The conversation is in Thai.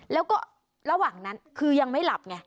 แล้วก็ระหว่างนั้นคือยังไม่หลับไง